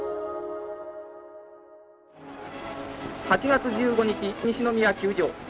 ８月１５日西宮球場。